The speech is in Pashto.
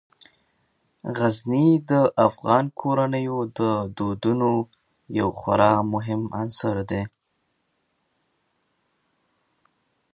غزني د افغان کورنیو د دودونو یو خورا مهم عنصر دی.